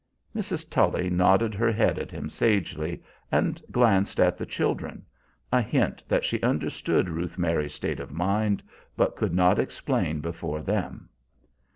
Mrs. Tully nodded her head at him sagely and glanced at the children, a hint that she understood Ruth Mary's state of mind, but could not explain before them.